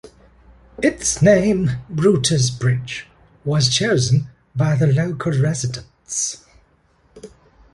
Its name, Brutus Bridge, was chosen by the local residents.